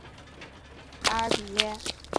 达尔比耶。